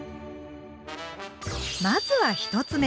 まずは１つ目！